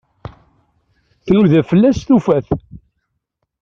Tnuda fell-as, tufa-t.